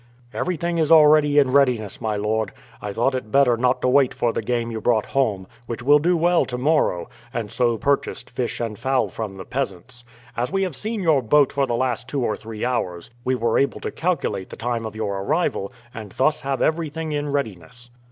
"Everything is already in readiness, my lord. I thought it better not to wait for the game you brought home, which will do well to morrow, and so purchased fish and fowl from the peasants. As we have seen your boat for the last two or three hours, we were able to calculate the time of your arrival, and thus have everything in readiness."